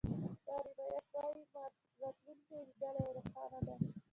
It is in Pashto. دا روایت وایي ما راتلونکې لیدلې او روښانه ده